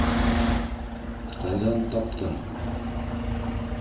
Ҡайҙан... таптың?